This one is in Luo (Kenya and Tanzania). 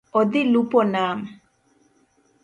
Odhi lupo nam.